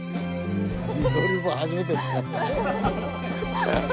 自撮り棒初めて使ったね。